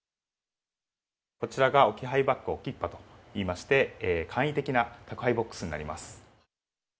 こちらが置き配バッグ、オキッパといいまして、簡易的な宅配ボックスになります。